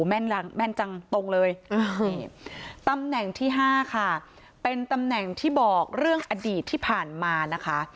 แม่นจังแม่นจังตรงเลยนี่ตำแหน่งที่๕ค่ะเป็นตำแหน่งที่บอกเรื่องอดีตที่ผ่านมานะคะ